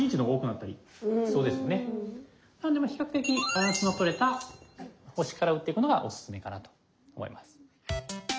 なので比較的バランスの取れた星から打っていくのがオススメかなと思います。